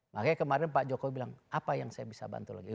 makanya kemarin pak jokowi bilang apa yang saya bisa bantu lagi